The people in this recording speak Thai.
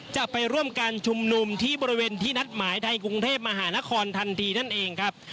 จะไปร่วมการชุมนุมที่บริเวณที่นัดหมายไทยกรุงเทพมหานครทันทีนั่นเองครับ